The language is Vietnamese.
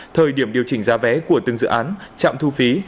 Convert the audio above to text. thời điểm điều chỉnh giá vé của từng dự án chạm thu phí